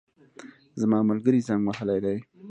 زما ملګري زنګ وهلی دی